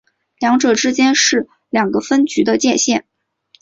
二者之间是两个分局的界线。